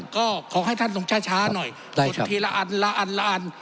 ก็ขอให้ท่านทรงช้าหน่อยสุดทีละอันละอันละอัน